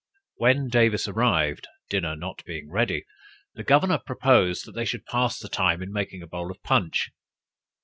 When Davis arrived, dinner not being ready, the governor proposed that they should pass the time in making a bowl of punch.